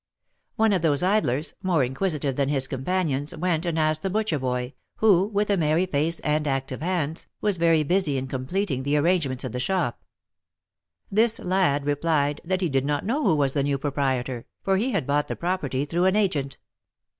One of those idlers, more inquisitive than his companions, went and asked the butcher boy, who, with a merry face and active hands, was very busy in completing the arrangements of the shop. This lad replied that he did not know who was the new proprietor, for he had bought the property through an agent.